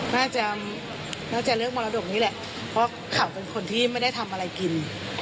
น่าจะน่าจะเลือกมรดกนี่แหละเพราะเขาเป็นคนที่ไม่ได้ทำอะไรกิน